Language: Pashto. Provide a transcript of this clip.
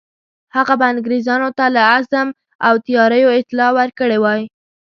هغه به انګرېزانو ته له عزم او تیاریو اطلاع ورکړې وای.